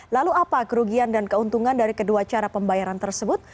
lalu apa kerugian dan keuntungan dari kedua cara pembayaran tersebut